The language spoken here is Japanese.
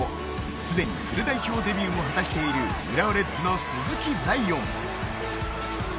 すでにフル代表デビューも果たしている浦和レッズの鈴木彩艶。